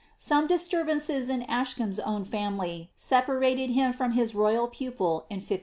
Some dis turbances in Ascham^s own family separated him from his royal pupil in 1550.